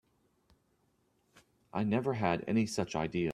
I never had any such idea.